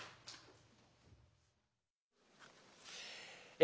え